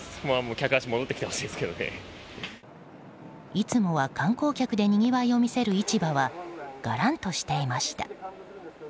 いつもは観光客でにぎわいを見せる市場はがらんとしていました。